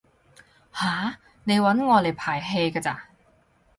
吓？你搵我嚟排戲㗎咋？